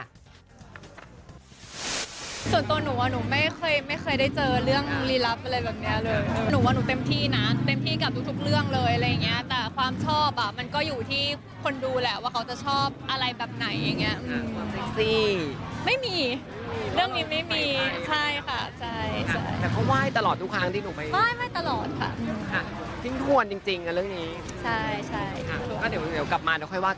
ส่วนตัวหนูว่าหนูไม่เคยได้เจอเรื่องรีลับอะไรแบบนี้เลย